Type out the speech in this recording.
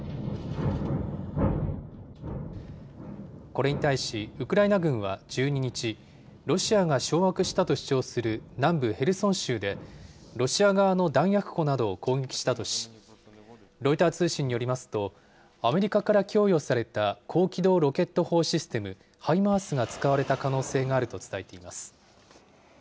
これに対し、ウクライナ軍は１２日、ロシアが掌握したと主張する南部ヘルソン州で、ロシア側の弾薬庫などを攻撃したとし、ロイター通信によりますと、アメリカから供与された高機動ロケット砲システム・ハイマースが使われた可能性があると伝えています。